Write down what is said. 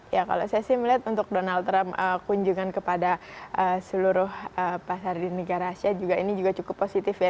ya kalau saya sih melihat untuk donald trump kunjungan kepada seluruh pasar di negara asia ini juga cukup positif ya